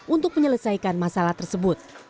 untuk menyelesaikan masalah tersebut